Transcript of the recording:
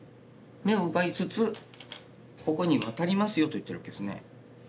眼を奪いつつここにワタりますよと言ってるわけですね。